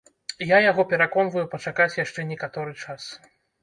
Я яго пераконваю пачакаць яшчэ некаторы час.